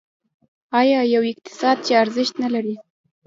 آیا یو اقتصاد چې ارزښت نلري؟